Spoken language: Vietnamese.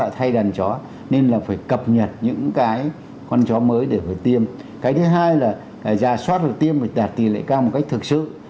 thứ hai là gia sức đi tiêm để tí lệ cao một cách thực sự